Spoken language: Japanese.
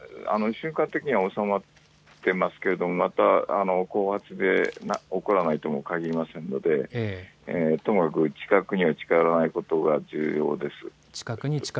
瞬間的には収まっていますがまた後発で起こらないともかぎりませんのでとにかく近くには近寄らないということが重要です。